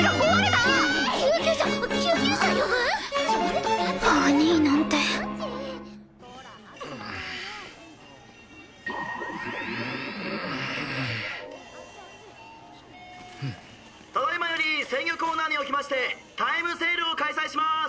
「ただ今より鮮魚コーナーにおきましてタイムセールを開催しまーす！」